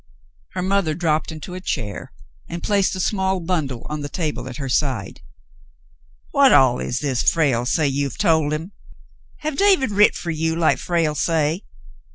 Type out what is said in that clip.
Her mother dropped into a chair and placed a small bundle on the table at her side. "What all is this Frale say you have told him.? Have David writ fer you like Frale say